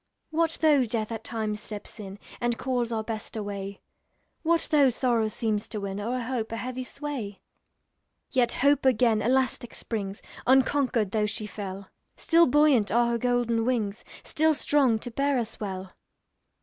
What though Death at times steps in, And calls our Best away? What though sorrow seems to win, O'er hope, a heavy sway? Yet Hope again elastic springs, Unconquered, though she fell; Still buoyant are her golden wings, Still strong to bear us well.